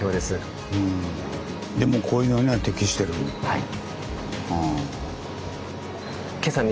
はい。